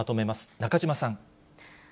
中島さん。